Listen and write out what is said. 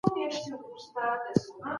ولي په کابل کي کوچني صنعتونه زیات دي؟